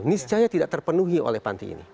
niscaya tidak terpenuhi oleh panti ini